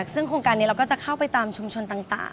ซึ่งโครงการนี้เราก็จะเข้าไปตามชุมชนต่าง